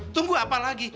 tunggu apa lagi